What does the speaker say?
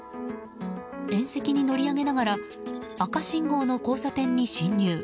縁石に乗り上げながら赤信号の交差点に進入。